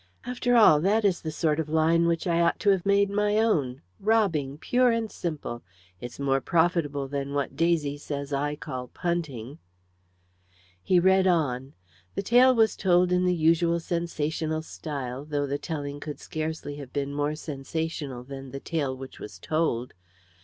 "After all that is the sort of line which I ought to have made my own robbing pure and simple. It's more profitable than what Daisy says that I call 'punting.'" He read on. The tale was told in the usual sensational style, though the telling could scarcely have been more sensational than the tale which was told.